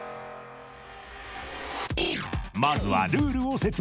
まずはルールを説明